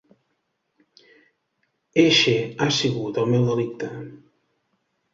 Eixe ha sigut el meu delicte.